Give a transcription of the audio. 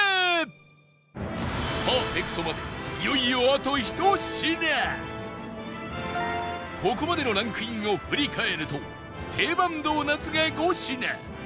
パーフェクトまでいよいよここまでのランクインを振り返ると定番ドーナツが５品